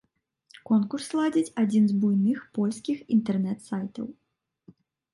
Конкурс ладзіць адзін з буйных польскіх інтэрнэт-сайтаў.